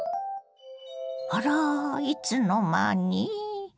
あらいつの間に。